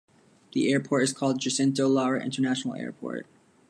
The airport is called Jacinto Lara International Airport.